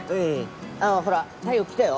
青ほら太陽来たよ。